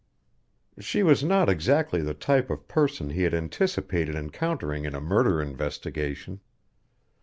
She was not exactly the type of person he had anticipated encountering in a murder investigation.